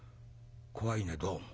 「怖いねどうも。